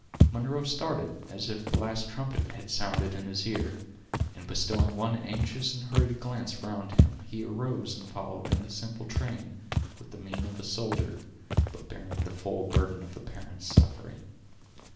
Munro started, as if the last trumpet had sounded in his ear, and bestowing one anxious and hurried glance around him, he arose and followed in the simple train, with the mien of a soldier, but bearing the full burden of a parent's suffering.